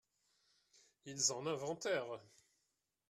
ils en inventèrent.